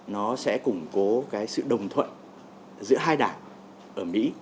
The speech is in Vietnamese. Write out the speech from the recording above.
nó sẽ củng cố cái sự đồng thuận giữa hai đảng ở mỹ